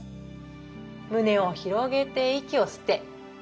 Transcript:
胸を広げて息を吸って。